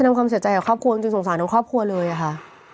นำความเสียใจกับครอบครัวจริงสงสารทั้งครอบครัวเลยค่ะ